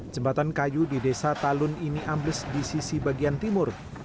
jembatan kayu di desa talun ini ambles di sisi bagian timur